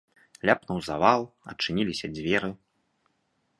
Ляпнуў завал, адчыніліся дзверы.